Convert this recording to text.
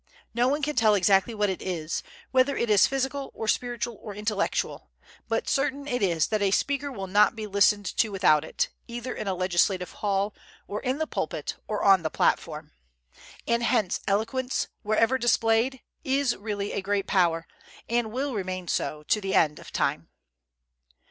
No one can tell exactly what it is, whether it is physical, or spiritual, or intellectual; but certain it is that a speaker will not be listened to without it, either in a legislative hall, or in the pulpit, or on the platform. And hence eloquence, wherever displayed, is really a great power, and will remain so to the end of time.